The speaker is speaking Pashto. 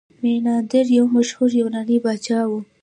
میناندر یو مشهور یوناني پاچا و